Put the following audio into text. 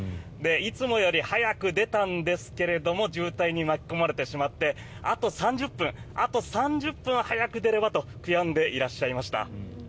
いつもより早く出たんですけど渋滞に巻き込まれてしまってあと３０分早く出ればと悔やんでいらっしゃいました。